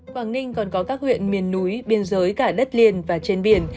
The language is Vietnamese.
quảng ninh còn có các huyện miền núi biên giới cả đất liền và trên biển